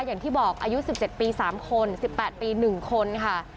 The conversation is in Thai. อย่างที่บอกอายุสิบเจ็ดปีสามคนสิบแปดปีหนึ่งคนค่ะ